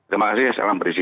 terima kasih salam berisisi